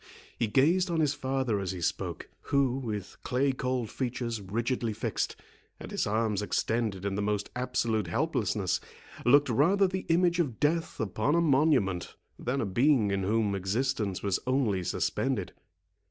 He gazed on his father as he spoke, who, with clay cold features rigidly fixed, and his arms extended in the most absolute helplessness, looked rather the image of death upon a monument, than a being in whom existence was only suspended.